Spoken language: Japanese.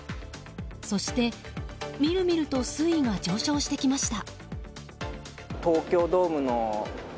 そして、見る見ると水位が上昇してきました。